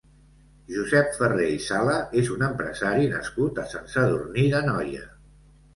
Josep Ferrer i Sala és un empresari nascut a Sant Sadurní d'Anoia.